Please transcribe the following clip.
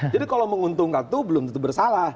jadi kalau menguntungkan tuh belum tentu bersalah